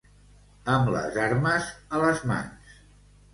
Amb les armes a les mans.